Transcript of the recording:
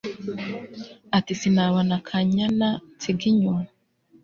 ati sinabona akanyana nsiga inyuma